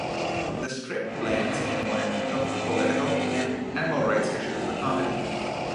The strip blends environmental, political, and animal rights issues with comedy.